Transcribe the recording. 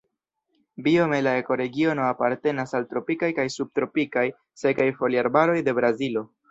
Biome la ekoregiono apartenas al tropikaj kaj subtropikaj sekaj foliarbaroj de Brazilo.